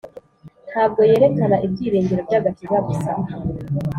Ntabwo yerekana ibyiringiro by'agakiza gusa,